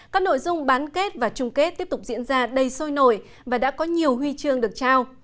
các nội dung bán kết và chung kết tiếp tục diễn ra đầy sôi nổi và đã có nhiều huy chương được trao